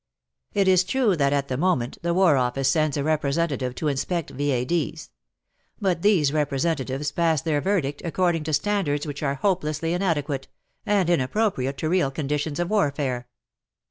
1 1 is true that at the moment the War Office sends a representative to inspect V.A.D.'s. But these representatives pass their verdict according to standards which are hopelessly inadequate, and inappropriate to real conditions of warfare.